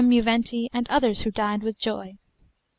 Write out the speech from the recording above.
Juventi, and others who died with joy.